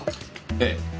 ええ。